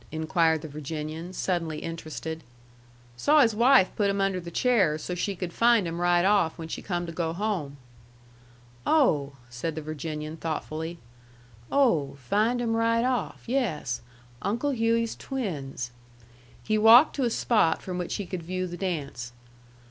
inquired the Virginian, suddenly interested. "Saw his wife put 'em under the chair so she could find 'em right off when she come to go home." "Oh," said the Virginian, thoughtfully. "Oh, find 'em right off. Yes. Uncle Hughey's twins." He walked to a spot from which he could view the dance.